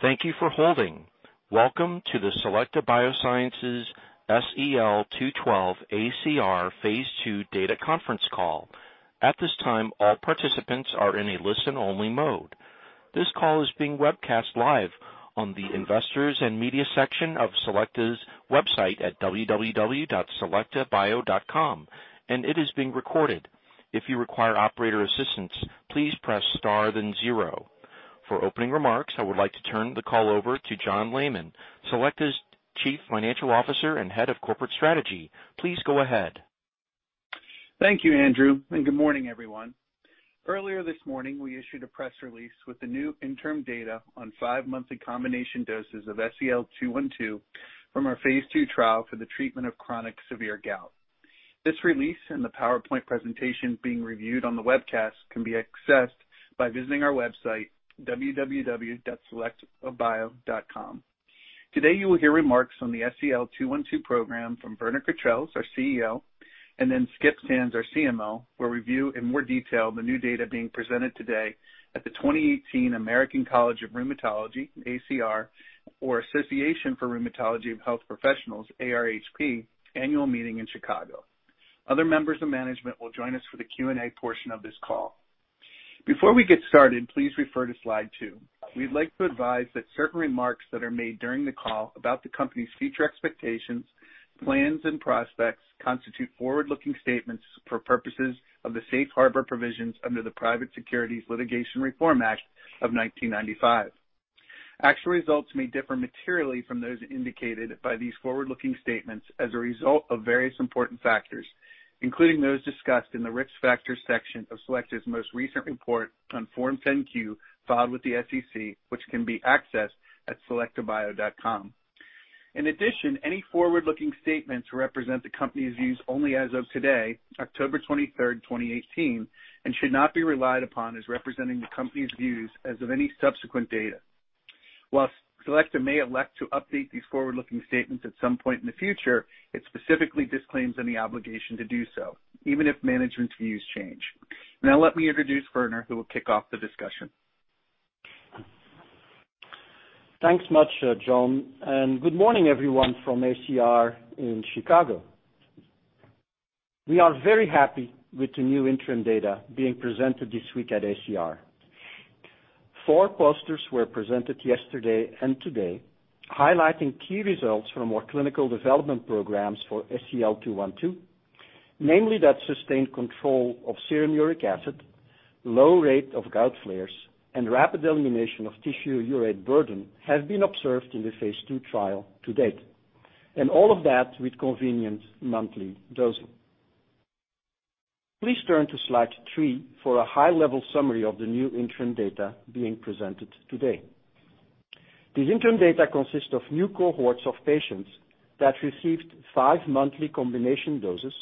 Thank you for holding. Welcome to the Selecta Biosciences SEL-212 ACR phase II Data Conference Call. At this time, all participants are in a listen-only mode. This call is being webcast live on the Investors and Media section of Selecta's website at www.selectabio.com, and it is being recorded. If you require operator assistance, please press star then zero. For opening remarks, I would like to turn the call over to John Leaman, Selecta's Chief Financial Officer and Head of Corporate Strategy. Please go ahead. Thank you, Andrew. Good morning, everyone. Earlier this morning, we issued a press release with the new interim data on five monthly combination doses of SEL-212 from our phase II trial for the treatment of chronic severe gout. This release and the PowerPoint presentation being reviewed on the webcast can be accessed by visiting our website, www.selectabio.com. Today, you will hear remarks on the SEL-212 program from Werner Cautreels, our CEO, and then Skip Sands, our CMO, will review in more detail the new data being presented today at the 2018 American College of Rheumatology, ACR, or Association of Rheumatology Professionals, ARHP, annual meeting in Chicago. Other members of management will join us for the Q&A portion of this call. Before we get started, please refer to slide two. We'd like to advise that certain remarks that are made during the call about the company's future expectations, plans, and prospects constitute forward-looking statements for purposes of the safe harbor provisions under the Private Securities Litigation Reform Act of 1995. Actual results may differ materially from those indicated by these forward-looking statements as a result of various important factors, including those discussed in the Risk Factors section of Selecta's most recent report on Form 10-Q filed with the SEC, which can be accessed at selectabio.com. Any forward-looking statements represent the company's views only as of today, October 23rd, 2018, and should not be relied upon as representing the company's views as of any subsequent data. While Selecta may elect to update these forward-looking statements at some point in the future, it specifically disclaims any obligation to do so, even if management's views change. Now let me introduce Werner, who will kick off the discussion. Thanks much, John. Good morning, everyone from ACR in Chicago. We are very happy with the new interim data being presented this week at ACR. Four posters were presented yesterday and today highlighting key results from our clinical development programs for SEL-212, namely that sustained control of serum uric acid, low rate of gout flares, and rapid elimination of tissue urate burden have been observed in the phase II trial to date, all of that with convenient monthly dosing. Please turn to slide three for a high-level summary of the new interim data being presented today. These interim data consist of new cohorts of patients that received five monthly combination doses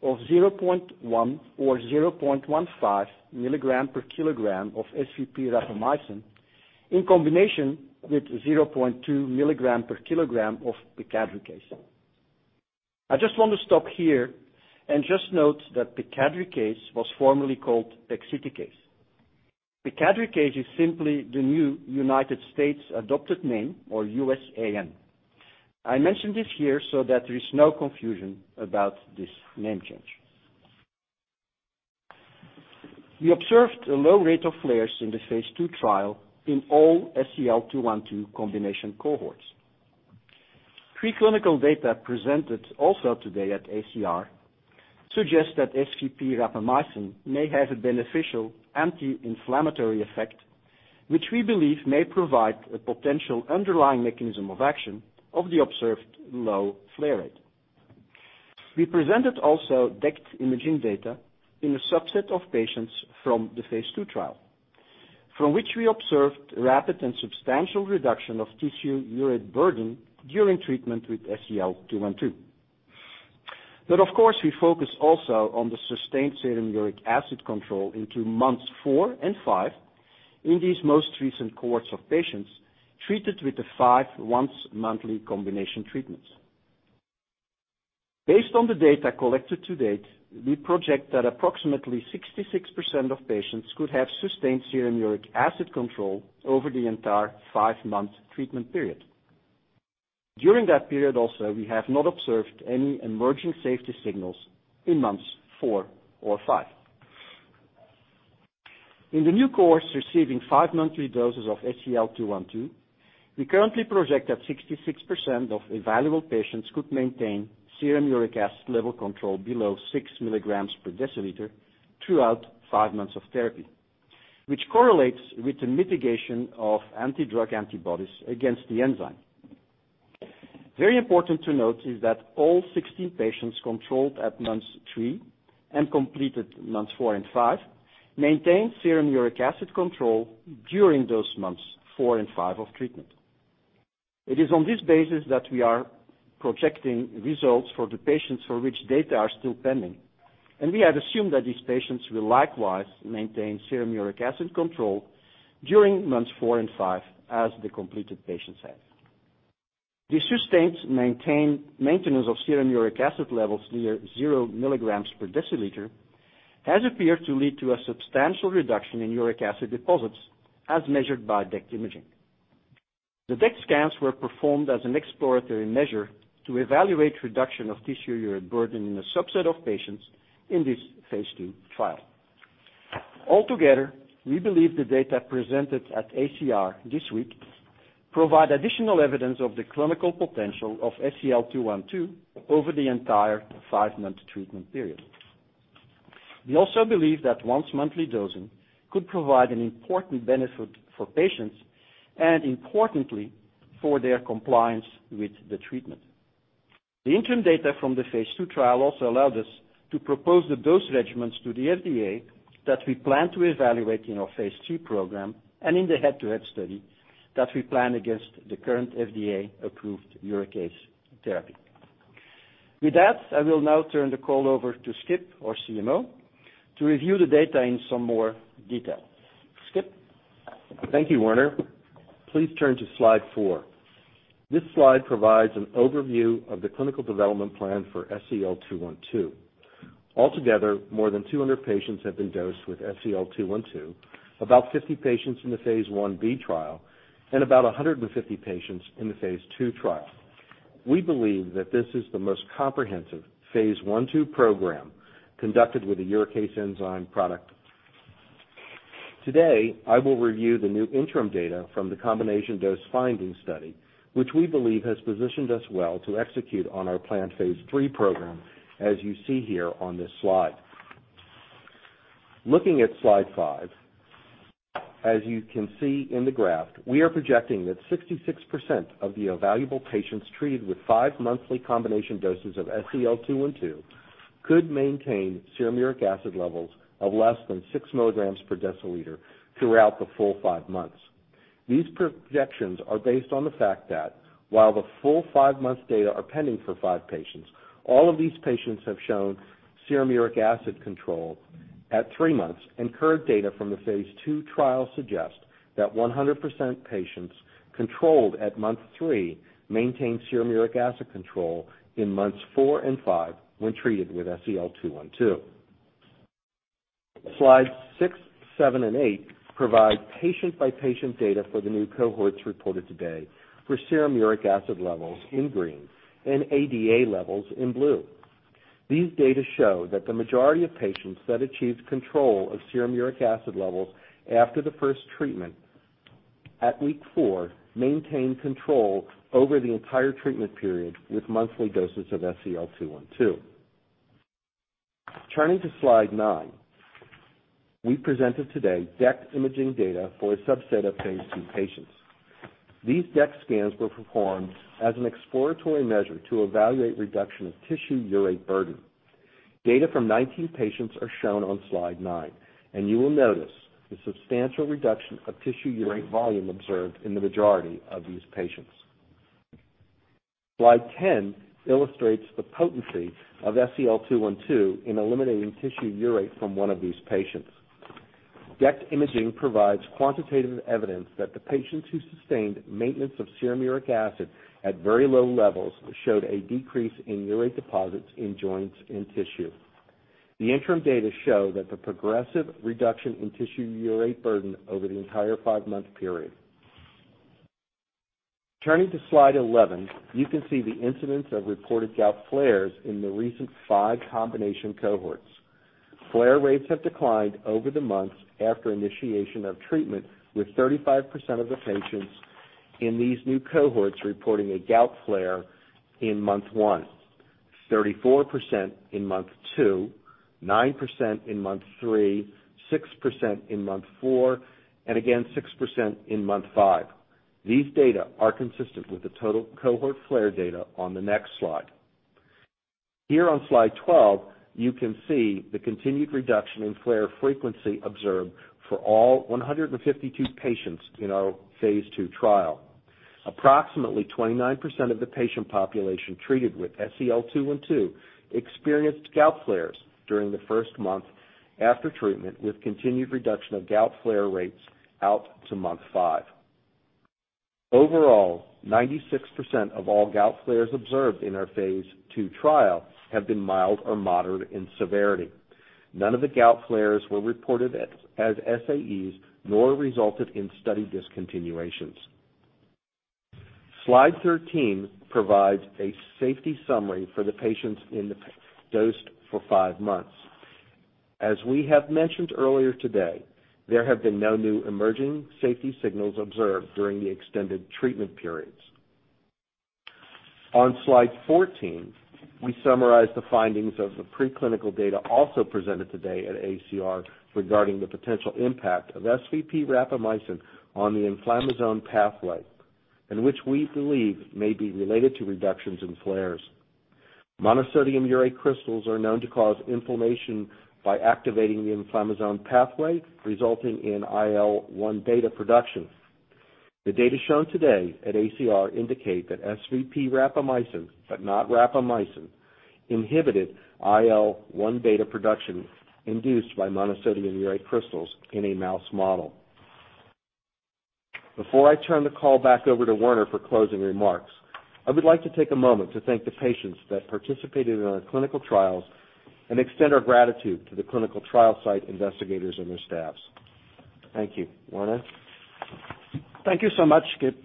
of 0.1 or 0.15 milligram per kilogram of SVP-rapamycin in combination with 0.2 milligram per kilogram of pegadricase. I just want to stop here and just note that pegadricase was formerly called pegsiticase. Pegadricase is simply the new U.S. Adopted Name or USAN. I mention this here so that there is no confusion about this name change. We observed a low rate of flares in the phase II trial in all SEL-212 combination cohorts. Pre-clinical data presented also today at ACR suggest that SVP-rapamycin may have a beneficial anti-inflammatory effect, which we believe may provide a potential underlying mechanism of action of the observed low flare rate. We presented also DECT imaging data in a subset of patients from the phase II trial, from which we observed rapid and substantial reduction of tissue urate burden during treatment with SEL-212. Of course, we focus also on the sustained serum uric acid control into months four and five in these most recent cohorts of patients treated with the five once-monthly combination treatments. Based on the data collected to date, we project that approximately 66% of patients could have sustained serum uric acid control over the entire five-month treatment period. During that period, also, we have not observed any emerging safety signals in months four or five. In the new cohorts, receiving five monthly doses of SEL-212, we currently project that 66% of evaluable patients could maintain serum uric acid level control below six milligrams per deciliter throughout five months of therapy, which correlates with the mitigation of anti-drug antibodies against the enzyme. Very important to note is that all 16 patients controlled at months three and completed months four and five maintained serum uric acid control during those months four and five of treatment. It is on this basis that we are projecting results for the patients for which data are still pending. We have assumed that these patients will likewise maintain serum uric acid control during months four and five as the completed patients have. The sustained maintenance of serum uric acid levels near 0 milligrams per deciliter has appeared to lead to a substantial reduction in uric acid deposits as measured by DECT imaging. The DECT scans were performed as an exploratory measure to evaluate reduction of tissue uric burden in a subset of patients in this phase II trial. Altogether, we believe the data presented at ACR this week provide additional evidence of the clinical potential of SEL-212 over the entire five-month treatment period. We also believe that once-monthly dosing could provide an important benefit for patients and importantly, for their compliance with the treatment. The interim data from the phase II trial also allowed us to propose the dose regimens to the FDA that we plan to evaluate in our phase II program, and in the head-to-head study that we plan against the current FDA-approved Uricase therapy. With that, I will now turn the call over to Skip, our CMO, to review the data in some more detail. Skip? Thank you, Werner. Please turn to slide four. This slide provides an overview of the clinical development plan for SEL-212. Altogether, more than 200 patients have been dosed with SEL-212, about 50 patients in the phase I-B trial, and about 150 patients in the phase II trial. We believe that this is the most comprehensive phase I/II program conducted with a Uricase enzyme product. Today, I will review the new interim data from the combination dose finding study, which we believe has positioned us well to execute on our planned phase III program, as you see here on this slide. Looking at slide five, as you can see in the graph, we are projecting that 66% of the evaluable patients treated with five monthly combination doses of SEL-212 could maintain serum uric acid levels of less than six milligrams per deciliter throughout the full five months. These projections are based on the fact that while the full five months data are pending for five patients, all of these patients have shown serum uric acid control at three months, and current data from the phase II trial suggest that 100% patients controlled at month three maintain serum uric acid control in months four and five when treated with SEL-212. Slides six, seven, and eight provide patient-by-patient data for the new cohorts reported today for serum uric acid levels in green and ADA levels in blue. These data show that the majority of patients that achieved control of serum uric acid levels after the first treatment at week four maintain control over the entire treatment period with monthly doses of SEL-212. Turning to slide nine. We presented today DECT imaging data for a subset of phase II patients. These DECT scans were performed as an exploratory measure to evaluate reduction of tissue urate burden. Data from 19 patients are shown on slide nine, and you will notice the substantial reduction of tissue urate volume observed in the majority of these patients. Slide 10 illustrates the potency of SEL-212 in eliminating tissue urate from one of these patients. DECT imaging provides quantitative evidence that the patients who sustained maintenance of serum uric acid at very low levels showed a decrease in urate deposits in joints and tissue. The interim data show that the progressive reduction in tissue urate burden over the entire five-month period. Turning to slide 11, you can see the incidence of reported gout flares in the recent five combination cohorts. Flare rates have declined over the months after initiation of treatment, with 35% of the patients in these new cohorts reporting a gout flare in month one, 34% in month two, 9% in month three, 6% in month four, and again, 6% in month five. These data are consistent with the total cohort flare data on the next slide. Here on slide 12, you can see the continued reduction in flare frequency observed for all 152 patients in our phase II trial. Approximately 29% of the patient population treated with SEL-212 experienced gout flares during the first month after treatment, with continued reduction of gout flare rates out to month five. Overall, 96% of all gout flares observed in our phase II trial have been mild or moderate in severity. None of the gout flares were reported as SAEs nor resulted in study discontinuations. Slide 13 provides a safety summary for the patients in the dosed for five months. As we have mentioned earlier today, there have been no new emerging safety signals observed during the extended treatment periods. On slide 14, we summarize the findings of the preclinical data also presented today at ACR regarding the potential impact of SVP-rapamycin on the inflammasome pathway, and which we believe may be related to reductions in flares. Monosodium urate crystals are known to cause inflammation by activating the inflammasome pathway, resulting in IL-1β production. The data shown today at ACR indicate that SVP-rapamycin, but not rapamycin Inhibited IL-1β production induced by monosodium urate crystals in a mouse model. Before I turn the call back over to Werner for closing remarks, I would like to take a moment to thank the patients that participated in our clinical trials and extend our gratitude to the clinical trial site investigators and their staffs. Thank you. Werner? Thank you so much, Skip.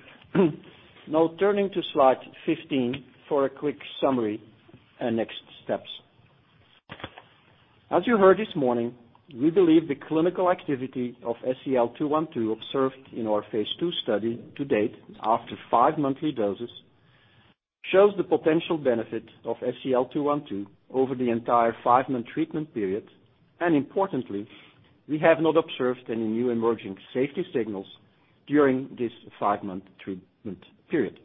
Now turning to slide 15 for a quick summary and next steps. As you heard this morning, we believe the clinical activity of SEL-212 observed in our phase II study to date, after five monthly doses, shows the potential benefit of SEL-212 over the entire five-month treatment period. Importantly, we have not observed any new emerging safety signals during this five-month treatment period.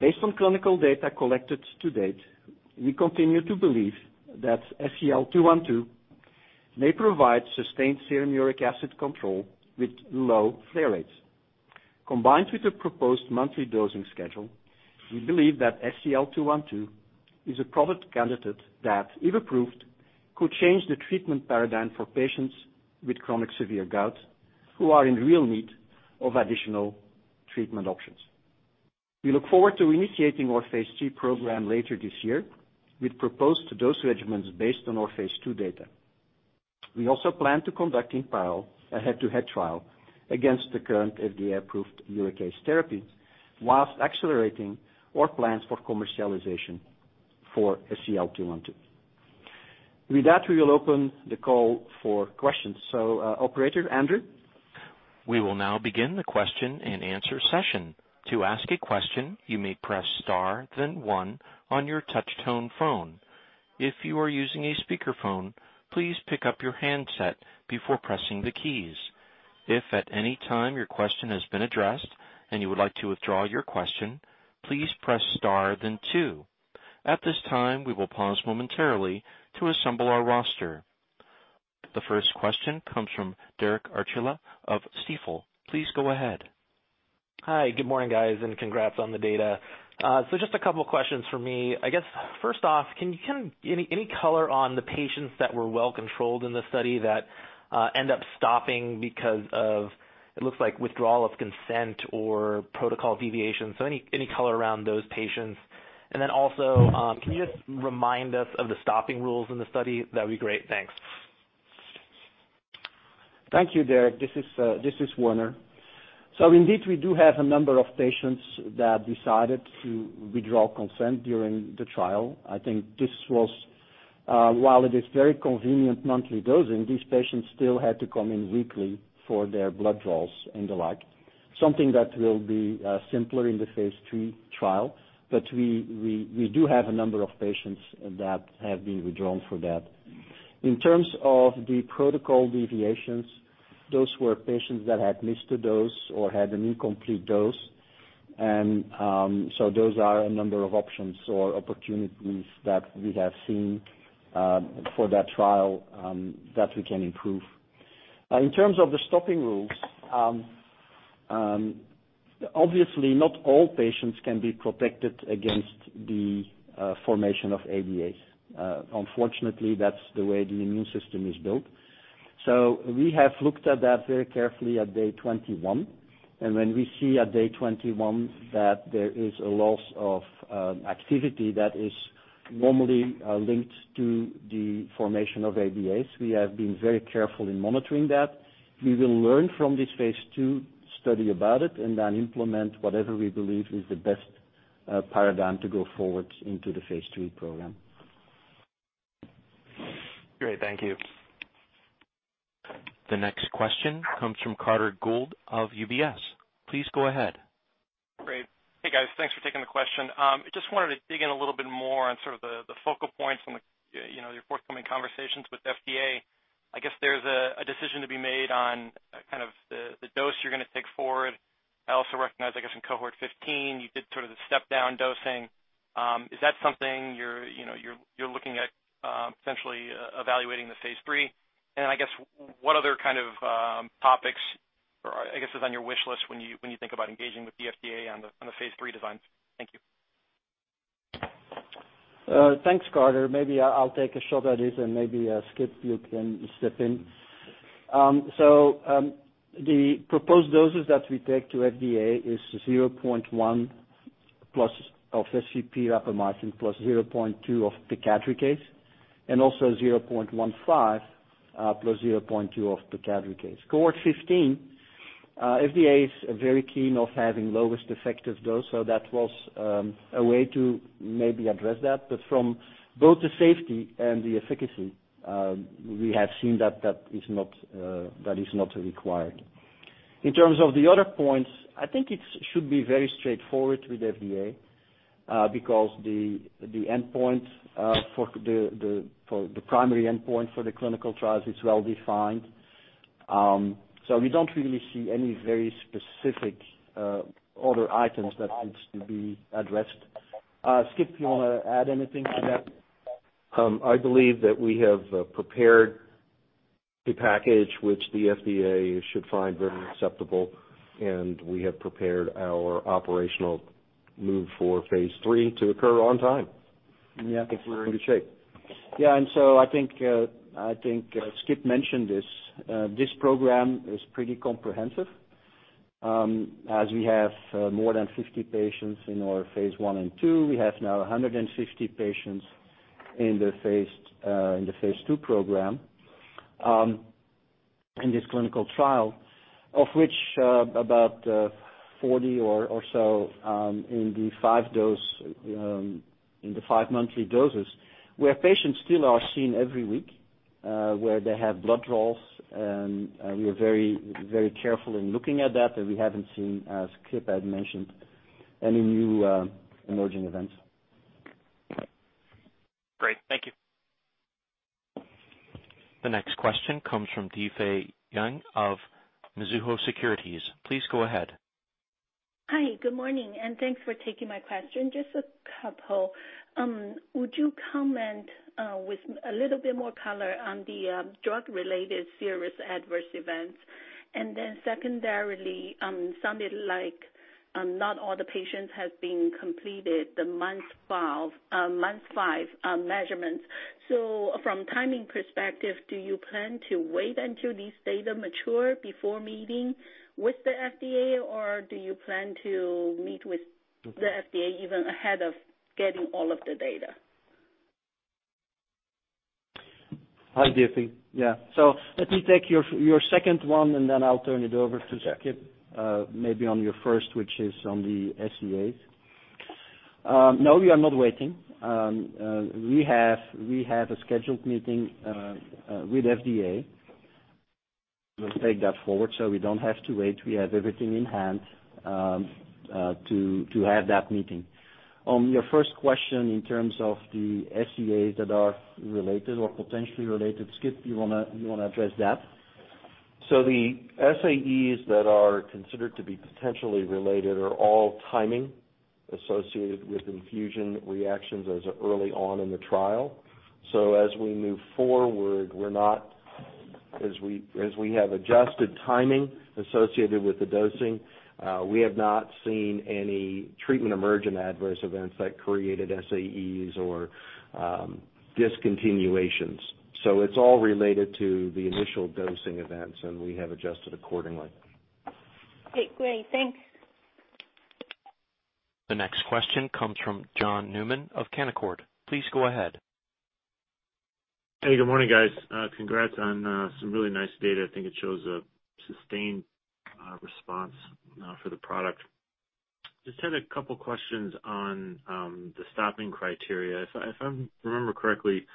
Based on clinical data collected to date, we continue to believe that SEL-212 may provide sustained serum uric acid control with low flare rates. Combined with a proposed monthly dosing schedule, we believe that SEL-212 is a product candidate that, if approved, could change the treatment paradigm for patients with chronic severe gout who are in real need of additional treatment options. We look forward to initiating our phase III program later this year with proposed dose regimens based on our phase II data. We also plan to conduct a head-to-head trial against the current FDA-approved uricase therapies while accelerating our plans for commercialization for SEL-212. With that, we will open the call for questions. Operator Andrew? We will now begin the question and answer session. To ask a question, you may press star then one on your touch tone phone. If you are using a speakerphone, please pick up your handset before pressing the keys. If at any time your question has been addressed and you would like to withdraw your question, please press star then two. At this time, we will pause momentarily to assemble our roster. The first question comes from Derek Archila of Stifel. Please go ahead. Hi, good morning, guys, and congrats on the data. Just a couple questions from me. I guess, first off, any color on the patients that were well-controlled in the study that end up stopping because of, it looks like, withdrawal of consent or protocol deviation? Any color around those patients. Can you just remind us of the stopping rules in the study? That'd be great. Thanks. Thank you, Derek. This is Werner. Indeed, we do have a number of patients that decided to withdraw consent during the trial. I think while it is very convenient monthly dosing, these patients still had to come in weekly for their blood draws and the like. Something that will be simpler in the phase III trial. We do have a number of patients that have been withdrawn for that. In terms of the protocol deviations, those were patients that had missed a dose or had an incomplete dose. Those are a number of options or opportunities that we have seen for that trial that we can improve. In terms of the stopping rules, obviously, not all patients can be protected against the formation of ADAs. Unfortunately, that's the way the immune system is built. We have looked at that very carefully at day 21. When we see at day 21 that there is a loss of activity that is normally linked to the formation of ADAs, we have been very careful in monitoring that. We will learn from this phase II study about it and then implement whatever we believe is the best paradigm to go forward into the phase III program. Great. Thank you. The next question comes from Carter Gould of UBS. Please go ahead. Great. Hey, guys. Thanks for taking the question. I just wanted to dig in a little bit more on sort of the focal points on your forthcoming conversations with FDA. I guess there's a decision to be made on kind of the dose you're going to take forward. I also recognize, I guess in cohort 15, you did sort of the step-down dosing. Is that something you're looking at potentially evaluating in the phase III? I guess what other kind of topics, I guess, is on your wish list when you think about engaging with the FDA on the phase III design? Thank you. Thanks, Carter. Maybe I'll take a shot at it and maybe, Skip, you can step in. The proposed doses that we take to FDA is 0.1 plus of SVP-rapamycin plus 0.2 of pegloticase and also 0.15 plus 0.2 of pegloticase. Cohort 15, FDA is very keen of having lowest effective dose, that was a way to maybe address that. From both the safety and the efficacy, we have seen that is not required. In terms of the other points, I think it should be very straightforward with FDA, because the primary endpoint for the clinical trials is well-defined. We don't really see any very specific other items that needs to be addressed. Skip, you want to add anything to that? I believe that we have prepared a package which the FDA should find very acceptable, and we have prepared our operational move for phase III to occur on time. Yeah. I think we're in good shape. Yeah. I think Skip mentioned this program is pretty comprehensive, as we have more than 50 patients in our phase I and II. We have now 150 patients in the phase II program in this clinical trial, of which about 40 or so are in the five monthly doses, where patients still are seen every week, where they have blood draws. We are very careful in looking at that we haven't seen, as Skip had mentioned, any new emerging events. Great. Thank you. The next question comes from Difei Yang of Mizuho Securities. Please go ahead. Hi, good morning, thanks for taking my question. Just a couple. Would you comment with a little bit more color on the drug-related serious adverse events? Secondarily, not all the patients have been completed the month five measurements. From timing perspective, do you plan to wait until these data mature before meeting with the FDA, or do you plan to meet with the FDA even ahead of getting all of the data? Hi, Difei. Yeah. Let me take your second one, and then I'll turn it over to Skip, maybe on your first, which is on the SAEs. No, we are not waiting. We have a scheduled meeting with FDA. We'll take that forward so we don't have to wait. We have everything in hand to have that meeting. On your first question, in terms of the SAEs that are related or potentially related, Skip, you want to address that? The SAEs that are considered to be potentially related are all timing associated with infusion reactions as early on in the trial. As we move forward, as we have adjusted timing associated with the dosing, we have not seen any treatment emergent adverse events that created SAEs or discontinuations. It's all related to the initial dosing events, and we have adjusted accordingly. Okay, great. Thanks. The next question comes from John Newman of Canaccord. Please go ahead. Hey, good morning, guys. Congrats on some really nice data. I think it shows a sustained response for the product. Just had a couple questions on the stopping criteria. If I remember correctly,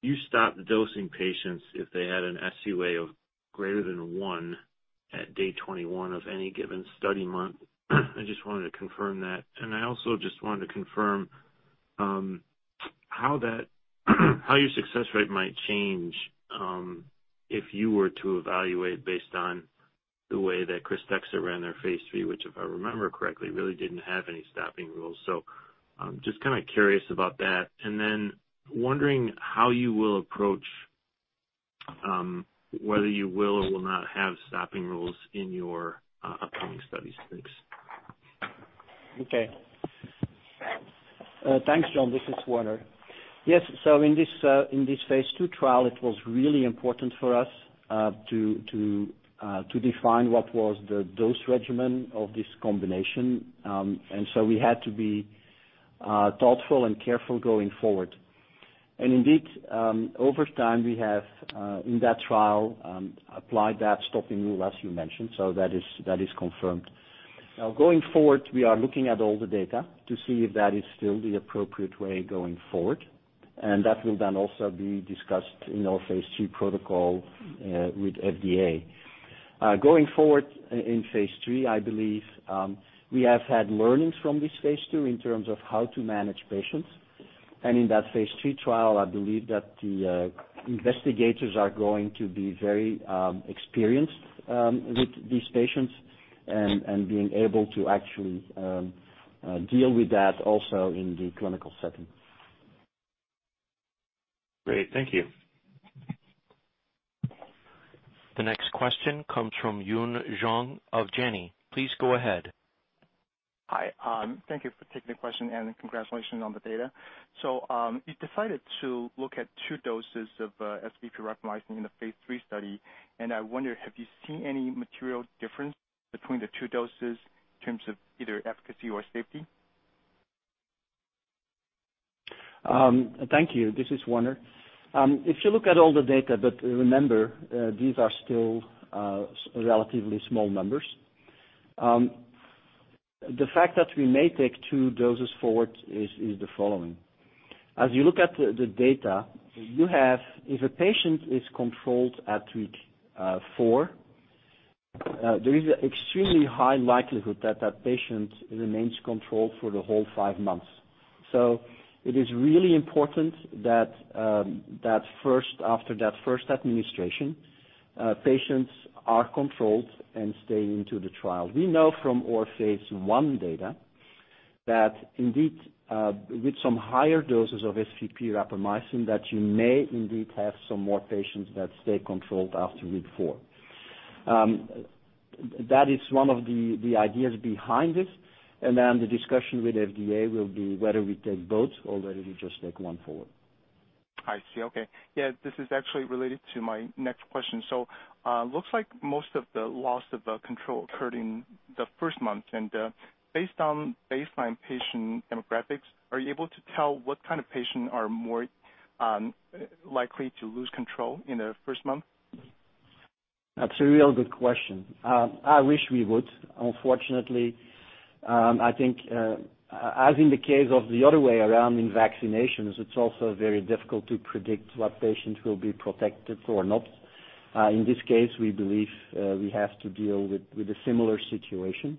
you stopped dosing patients if they had an SUA of greater than one at day 21 of any given study month. I also just wanted to confirm how your success rate might change if you were to evaluate based on the way that Krystexxa ran their phase III, which, if I remember correctly, really didn't have any stopping rules. Just kind of curious about that. Then wondering how you will approach whether you will or will not have stopping rules in your upcoming studies. Thanks. Okay. Thanks, John. This is Werner. Yes. In this phase II trial, it was really important for us to define what was the dose regimen of this combination. We had to be thoughtful and careful going forward. Indeed, over time, we have, in that trial, applied that stopping rule as you mentioned. That is confirmed. Going forward, we are looking at all the data to see if that is still the appropriate way going forward, and that will then also be discussed in our phase III protocol with FDA. Going forward in phase III, I believe we have had learnings from this phase II in terms of how to manage patients. In that phase III trial, I believe that the investigators are going to be very experienced with these patients and being able to actually deal with that also in the clinical setting. Great. Thank you. The next question comes from Yun Zhong of Janney. Please go ahead. Hi. Thank you for taking the question. Congratulations on the data. You decided to look at two doses of SVP-rapamycin in the phase III study. I wonder, have you seen any material difference between the two doses in terms of either efficacy or safety? Thank you. This is Werner. Remember, these are still relatively small numbers. The fact that we may take two doses forward is the following. As you look at the data, if a patient is controlled at week 4, there is an extremely high likelihood that that patient remains controlled for the whole 5 months. It is really important that after that first administration, patients are controlled and stay into the trial. We know from our phase I data that indeed, with some higher doses of SVP-rapamycin, that you may indeed have some more patients that stay controlled after week 4. That is one of the ideas behind it, the discussion with FDA will be whether we take both or whether we just take one forward. I see, okay. This is actually related to my next question. Looks like most of the loss of control occurred in the first month. Based on baseline patient demographics, are you able to tell what kind of patient are more likely to lose control in the first month? That's a real good question. I wish we would. Unfortunately, I think, as in the case of the other way around in vaccinations, it is also very difficult to predict what patients will be protected or not. In this case, we believe we have to deal with a similar situation.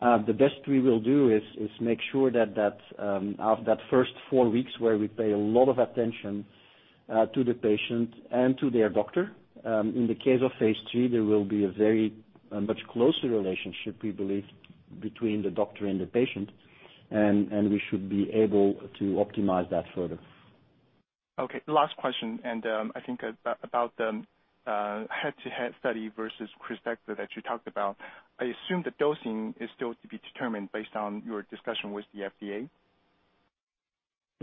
The best we will do is make sure that first 4 weeks where we pay a lot of attention to the patient and to their doctor. In the case of phase III, there will be a very much closer relationship, we believe, between the doctor and the patient, and we should be able to optimize that further. Okay, last question, I think about the head-to-head study versus Krystexxa that you talked about. I assume the dosing is still to be determined based on your discussion with the FDA?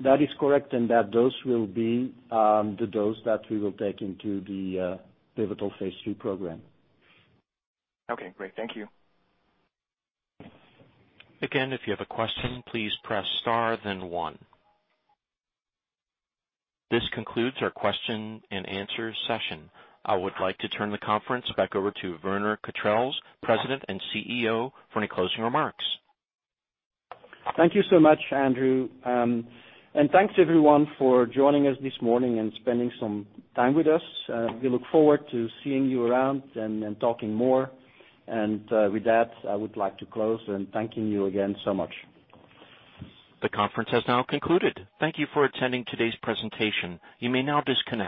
That is correct, that dose will be the dose that we will take into the pivotal phase III program. Okay, great. Thank you. Again, if you have a question, please press star then one. This concludes our question and answer session. I would like to turn the conference back over to Werner Cautreels, President and CEO, for any closing remarks. Thank you so much, Andrew. Thanks everyone for joining us this morning and spending some time with us. We look forward to seeing you around and talking more. With that, I would like to close and thanking you again so much. The conference has now concluded. Thank you for attending today's presentation. You may now disconnect.